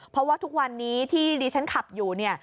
เพราะว่าทุกวันนี้ที่ดิฉันขับอยู่เนี่ย